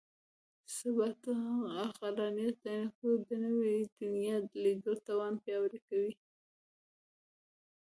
سبا ته د عقلانیت له عینکو د نوي دنیا لیدو توان پیاوړی کړو.